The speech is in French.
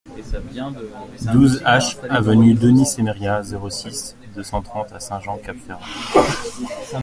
douze H avenue Denis Semeria, zéro six, deux cent trente à Saint-Jean-Cap-Ferrat